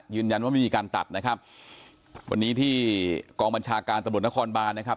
ยืนยันว่าไม่มีการตัดนะครับวันนี้ที่กองบัญชาการตำรวจนครบานนะครับ